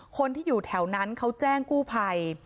คนที่อยู่แถวนั้นเขาแจ้งกู้ภัย